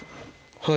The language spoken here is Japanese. はい。